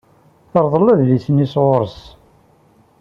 Terḍel adlis-nni sɣur-s.